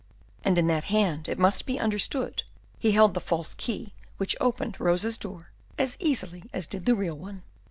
And in that hand, it must be understood, he held the false key which opened Rosa's door as easily as did the real one.